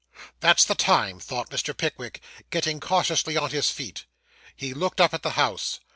'That's the time,' thought Mr. Pickwick, getting cautiously on his feet. He looked up at the house.